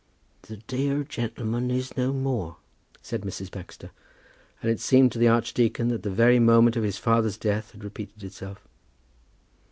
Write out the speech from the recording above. "The dear gentleman is no more," said Mrs. Baxter; and it seemed to the archdeacon that the very moment of his father's death had repeated itself.